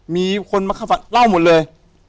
มีคนมาเข้าฝันเล่าหมดเลย